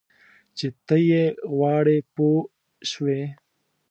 چې ته یې غواړې پوه شوې!.